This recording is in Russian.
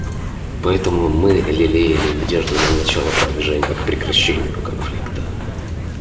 Поэтому мы лелеяли надежду на начало продвижения к прекращению конфликта.